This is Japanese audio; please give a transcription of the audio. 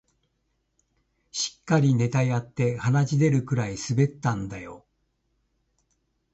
しっかりネタやって鼻血出るくらい滑ったんだよ